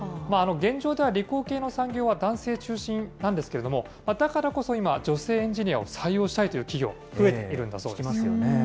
現状では理工系の産業は、男性中心なんですけれども、だからこそ今、女性エンジニアを採用したいという企業が増えているんだそうです。